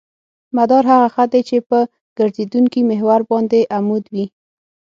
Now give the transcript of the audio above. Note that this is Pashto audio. مدار هغه خط دی چې په ګرځېدونکي محور باندې عمود وي